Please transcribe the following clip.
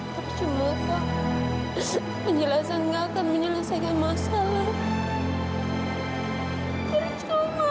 bercuma kak penjelasan nggak akan menyelesaikan masalah